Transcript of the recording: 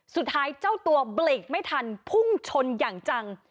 สุดท้ายเจ้าตัวเบลกไม่ทันพุ่งชนอย่างจัง